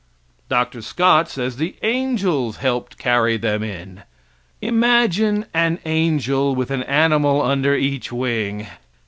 Dr. Scott says the angels helped carry them in. Imagine an angel with an animal under each wing.